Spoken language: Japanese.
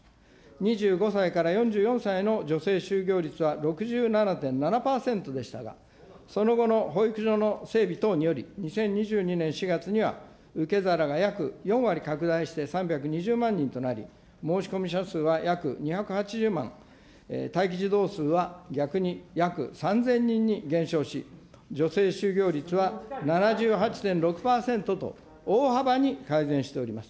２５歳から４４歳の女性就業率は６７．７％でしたが、その後の保育所の整備等により、２０２２年４月には、受け皿が約４割拡大して３２０万人となり、申し込み者数は約２８０万、待機児童数は逆に約３０００人に減少し、女性就業率は７８．６％と大幅に改善しております。